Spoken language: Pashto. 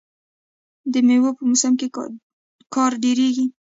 د میوو په موسم کې کار ډیریږي.